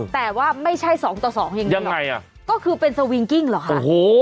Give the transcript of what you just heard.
แต่ว่าไม่ใช่สองต่อสองอย่างเดียวยังไงอ่ะก็คือเป็นสวิงกิ้งเหรอคะโอ้โห